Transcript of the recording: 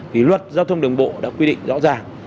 thì luật giao thông đường bộ đã quy định rõ ràng